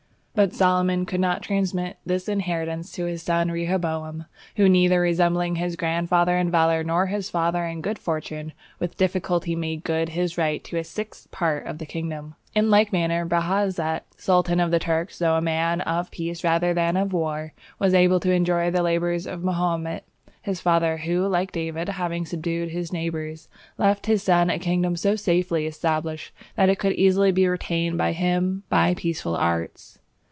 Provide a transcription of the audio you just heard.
But Solomon could not transmit this inheritance to his son Rehoboam, who neither resembling his grandfather in valour, nor his father in good fortune, with difficulty made good his right to a sixth part of the kingdom. In like manner Bajazet, sultan of the Turks, though a man of peace rather than of war, was able to enjoy the labours of Mahomet his father, who, like David, having subdued his neighbours, left his son a kingdom so safely established that it could easily be retained by him by peaceful arts.